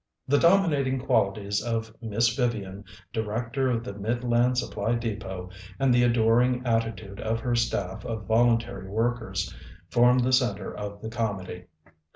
The dominating qualities of Miss Vivian, Director of the Midland Supply Depot, and the adoring at titude of her staff of Voluntary Workers form the center of the comedy.